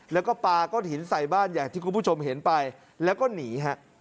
แล้วก็ปาก้อนหินใส่บ้านอย่างที่คุณผู้ชมเห็นไปแล้วก็หนีฮะ